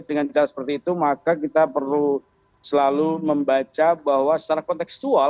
dengan cara seperti itu maka kita perlu selalu membaca bahwa secara konteksual